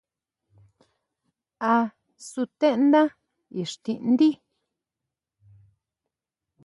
¿Á sutendá íxtiʼndí?